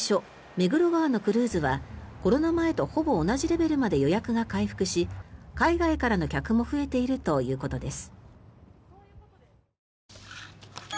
目黒川のクルーズはコロナ前とほぼ同じレベルまで予約が回復し海外からの客も増えているということです。